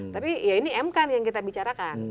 tapi ya ini mk nih yang kita bicarakan